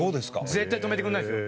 絶対止めてくれないですよ。